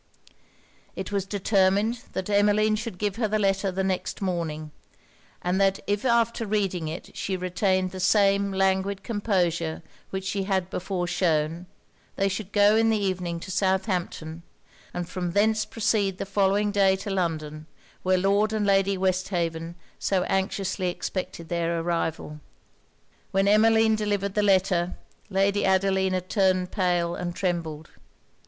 It was determined that Emmeline should give her the letter the next morning; and that if after reading it she retained the same languid composure which she had before shewn, they should go in the evening to Southampton, and from thence proceed the following day to London, where Lord and Lady Westhaven so anxiously expected their arrival. When Emmeline delivered the letter, Lady Adelina turned pale, and trembled.